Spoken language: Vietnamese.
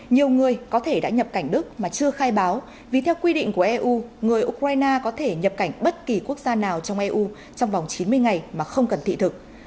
nhiều người có thể đã nhập cảnh đức mà chưa khai báo vì theo quy định của eu người ukraine có thể nhập cảnh bất kỳ quốc gia nào trong eu trong vòng chín mươi ngày mà không cần thị thực